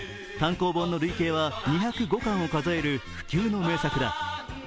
単行本の累計は２０５巻を数える不朽の名作だ。